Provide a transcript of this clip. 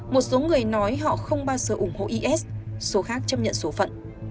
một số người nói họ không bao giờ ủng hộ is số khác chấp nhận số phận